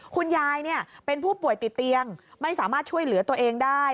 คุณยายเป็นผู้ป่วยติดเตียงไม่สามารถช่วยเหลือตัวเองได้